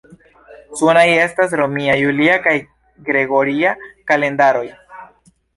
Sunaj estas romia, julia kaj gregoria kalendaroj.